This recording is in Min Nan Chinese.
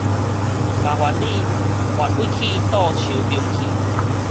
麻煩你斡對倒手爿去